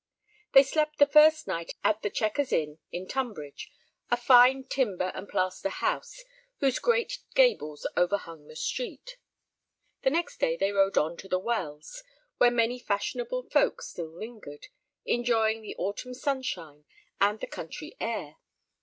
They slept the first night at The Checkers Inn at Tunbridge, a fine timber and plaster house whose great gables overhung the street. The next day they rode on to The Wells, where many fashionable folk still lingered, enjoying the autumn sunshine and the country air.